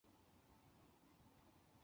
故事发生在维多利亚时代的伦敦。